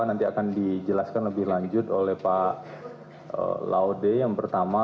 nanti akan dijelaskan lebih lanjut oleh pak laude yang pertama